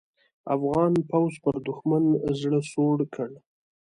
افغان پوځ پر دوښمن زړه سوړ کړ.